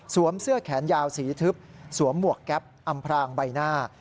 เสื้อแขนยาวสีทึบสวมหมวกแก๊ปอำพรางใบหน้า